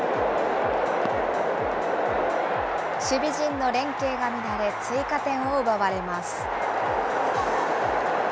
守備陣の連係が乱れ、追加点を奪われます。